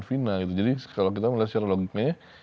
fina gitu jadi kalau kita melihat secara logiknya